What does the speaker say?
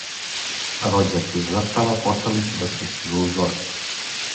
Рођаци жртава почели су да пристижу у зору.